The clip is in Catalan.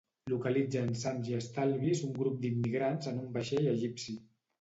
Localitzen sans i estalvis un grup d'immigrants en un vaixell egipci.